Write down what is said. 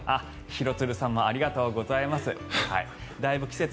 廣津留さんもありがとうございます。